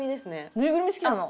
ぬいぐるみ好きなの？